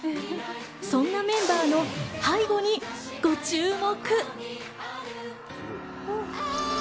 そんなメンバーの背後にご注目！